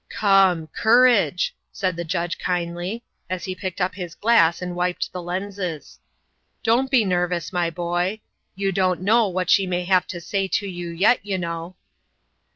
" Come, courage !" said the Judge kindly, as he picked up his glass and wiped the lenses. " Don't be nervous, my boy. You don't know what she may have to say to you yet, you know